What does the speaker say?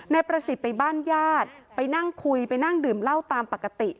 นายประสิทธิ์ไปบ้านญาติไปนั่งคุยไปนั่งดื่มเหล้าตามปกติ